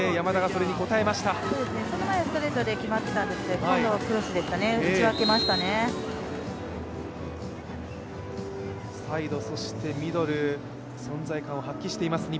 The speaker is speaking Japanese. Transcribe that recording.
その前ストレートで決まっていたんですけれども今度はクロスでしたね打ち分けましたね。